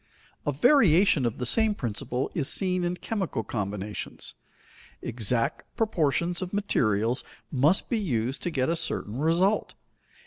A variation of the same principle is seen in chemical combinations. Exact proportions of materials must be used to get a certain result.